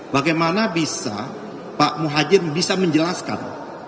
bagaimana bisa pak muhajir bisa menjelaskan